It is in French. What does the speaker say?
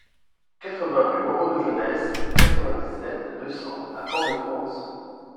quatre-vingts rue Moreau de Jonnès, quatre-vingt-dix-sept, deux cents à Fort-de-France